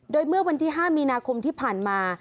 โดยเมื่อวันที่๕มีนาคมที่ผ่านมา